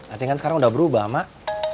artinya kan sekarang udah berubah mak